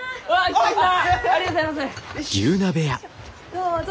どうぞ！